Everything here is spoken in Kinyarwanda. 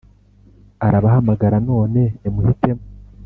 arabahamagara: none, nimuhitemo!